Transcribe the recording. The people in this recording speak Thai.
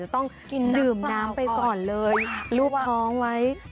ต้องดื่มน้ำไปก่อนเลยรูปท้องไว้